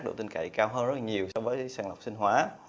độ tinh cậy cao hơn rất là nhiều so với sàn lọc sinh hóa